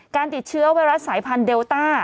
การติดเชื้อไวรัสสายพันธุเดลต้า